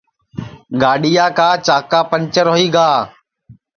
گاڈؔؔیا کا چاکا پنٚجر ہوئی گا